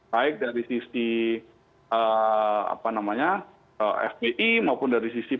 baik dari sisi apa namanya fpi maupun dari sisi